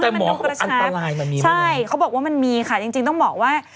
ให้มันดูกระชักใช่เขาบอกว่ามันมีค่ะจริงต้องบอกว่า